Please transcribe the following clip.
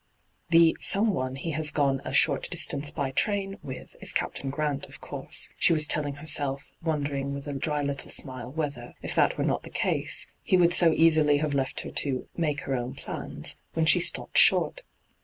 ' The " someone " he has gone '* a short distance by train " with is Captain Grant, of course,' she was telling herself, wondering, with a dry little smile, whether, if that were not the case, he would so easily have left her to 'make her own plans,' when she stopped short.